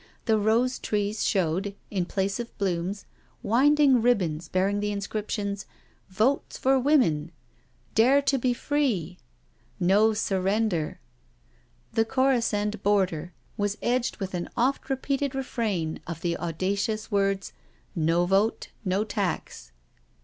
The rose trees showed, in place of blooms, winding ribbons bear ing the inscriptions, " Votes for Women "—" Dare to be Free •*—•* No Surrender. The Corisand border was edged with an oft repeated refrain of the audacious words, " No Vote, no Tax.